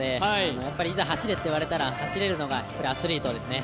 やっぱりいざ走れといわれたら走れるのがアスリートですね。